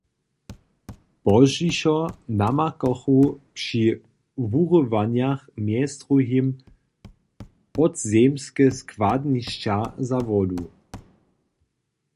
Pozdźišo namakachu při wurywanjach mjez druhim podzemske składnišća za wodu.